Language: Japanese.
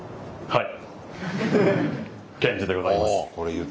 はい。